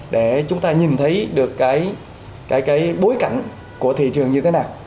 để chúng ta nhìn thấy được cái bối cảnh của thị trường như thế nào